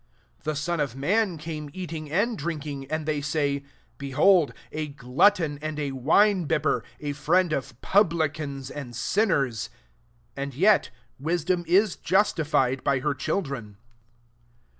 19 The Son of man came eat ing and drinking ; and they say, * Behold a glutton and a wine bibber, a friend of publicans and sinners.' And yet wisdom is justified by her children."